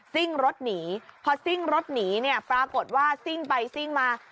ซิ่งรถหนีพอซิ่งรถหนีเนี่ยปรากฏว่าซิ่งไปซิ่งมา